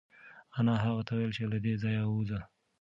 انا هغه ته وویل چې له دې ځایه ووځه.